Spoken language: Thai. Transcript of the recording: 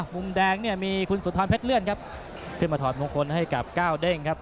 มุมแดงเนี่ยมีคุณสุธรเพชรเลื่อนครับขึ้นมาถอดมงคลให้กับก้าวเด้งครับ